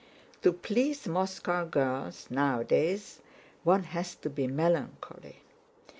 "To please Moscow girls nowadays one has to be melancholy.